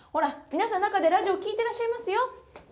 皆さん中でラジオ聴いてらっしゃいますよ。